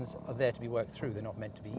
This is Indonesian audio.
mereka tidak diperlukan dengan mudah